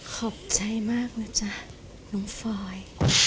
ขอบใจมากนะจ๊ะน้องฟอย